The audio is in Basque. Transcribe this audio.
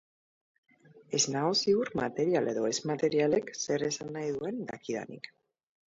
Ez nago ziur material edo ez-materialek zer esan nahi duen dakidanik.